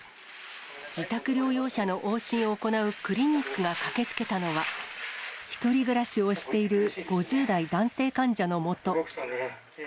自宅療養者の往診を行うクリニックが駆けつけたのは、１人暮らしをしている５０代男性患者のもと。